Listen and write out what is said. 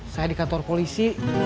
saya di kantor polisi